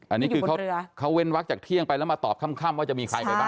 อันนี้คือเขาเว้นวักจากเที่ยงไปแล้วมาตอบค่ำว่าจะมีใครไปบ้าง